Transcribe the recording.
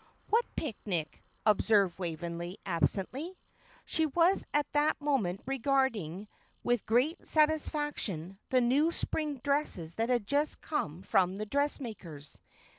"What picnic?" observed Waveney, absently. She was at that moment regarding with great satisfaction the new spring dresses that had just come from the dressmaker's.